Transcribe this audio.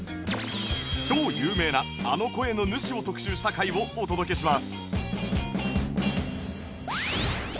超有名なあの声の主を特集した回をお届けします